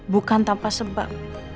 bukan tanpa sebab